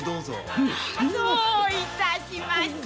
そういたしましょ！